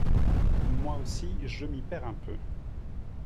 Moi aussi, je m’y perds un peu.